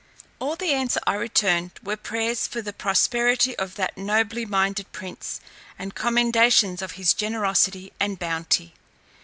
All the answer I returned were prayers for the prosperity of that nobly minded prince, and commendations of his generosity and bounty.